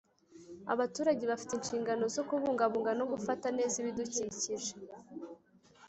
Abaturage bafite inshingano zo kubungabunga no gufata neza ibidukikije